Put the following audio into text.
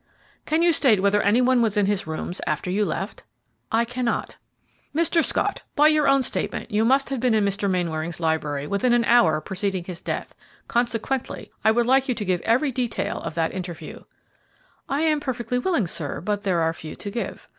"Can you state whether any one was in his rooms after you left?" "I cannot." "Mr. Scott, by your own statement, you must have been in Mr. Mainwaring's library within an hour preceding his death; consequently, I would like you to give every detail of that interview." "I am perfectly willing, sir, but there are few to give.